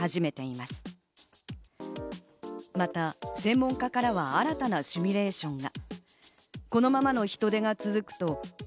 また専門家からは新たなシミュレーションが。